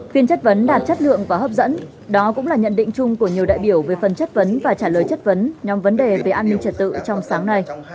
phiên chất vấn đạt chất lượng và hấp dẫn đó cũng là nhận định chung của nhiều đại biểu về phần chất vấn và trả lời chất vấn nhóm vấn đề về an ninh trật tự trong sáng nay